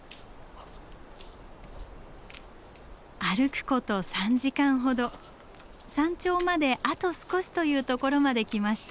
歩くこと３時間ほど山頂まであと少しというところまで来ました。